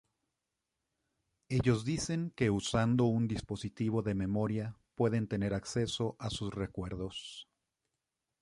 Ellos dicen que usando un dispositivo de memoria pueden tener acceso a sus recuerdos.